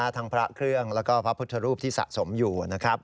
ทั้งพระเครื่องแล้วก็พระพุทธรูปที่สะสมอยู่นะครับ